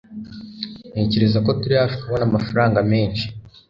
Ntekereza ko turi hafi kubona amafaranga menshi.